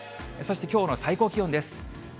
そしてきょうの最高気温です。